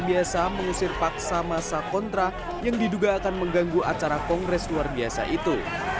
biasa mengusir paksa masa kontra yang diduga akan mengganggu acara kongres luar biasa itu